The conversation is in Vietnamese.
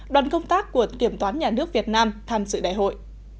đoàn công tác của kiểm toán nhà nước việt nam tham dự đại hội